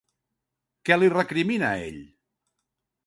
Què li recrimina a ell?